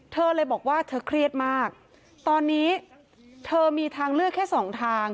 เธอเลยบอกว่าเธอเครียดมากตอนนี้เธอมีทางเลือกแค่สองทาง